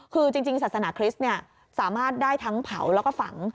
คือจริงศาสนาคริสต์สามารถได้ทั้งเผาแล้วก็ฝัง